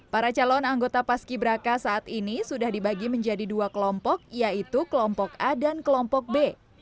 para calon anggota paski braka saat ini sudah dibagi menjadi dua kelompok yaitu kelompok a dan kelompok b